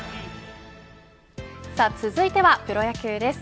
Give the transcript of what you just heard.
さあ続いてはプロ野球です。